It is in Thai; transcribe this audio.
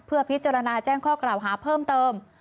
เพื่อพิจารณาแจ้งข้อกล่าวหาเพิ่มเติม